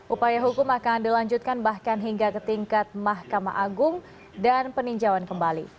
upaya hukum akan dilanjutkan bahkan hingga ke tingkat mahkamah agung dan peninjauan kembali